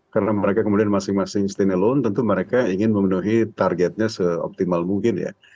karena mereka kemudian masing masing stand alone tentu mereka ingin memenuhi targetnya seoptimal mungkin ya